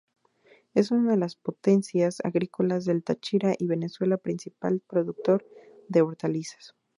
Es una de las potencias agrícolas del Táchira y Venezuela, principal productor de hortalizas.